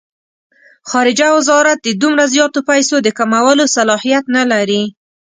خارجه وزارت د دومره زیاتو پیسو د کمولو صلاحیت نه لري.